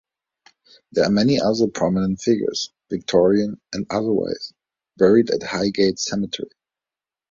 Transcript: There are many other prominent figures, Victorian and otherwise, buried at Highgate Cemetery.